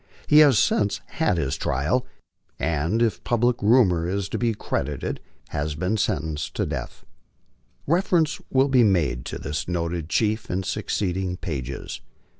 He has since had his trial, and, if public rumor is to be cred ited, has been sentenced to death. Reference will be made to this noted chief in succeeding pages.